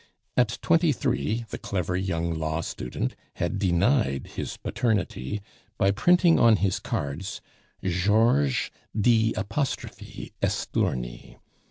At twenty three the clever young law student had denied his paternity by printing on his cards Georges d'Estourny.